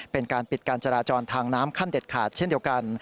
เป็นการปิดการจราจรทางน้ำขั้นเด็ดขาดเช่นเดียวกัน